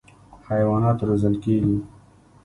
حیوانات روزل کېږي.